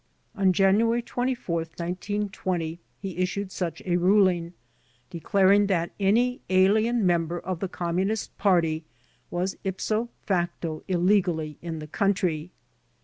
On January 24, 1920, he issued such a ruling, declaring^ that any alien member of the Communist Party was ipso facto illegally in the country.